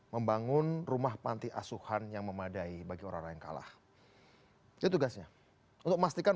membangun rumah panti asuhan yang memadai bagi orang yang kalah itu tugasnya untuk memastikan